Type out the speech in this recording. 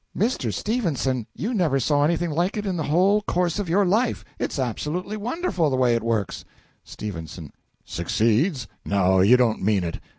Mr. Stephenson, you never saw anything like it in the whole course of your life! It's absolutely wonderful the way it works. S. Succeeds? No you don't mean it.